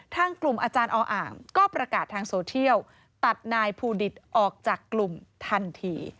ทางกลุ่มอาจารย์ออ่างก็ประกาศทางโซเทียลตัดนายภูดิตออกจากกลุ่มทันที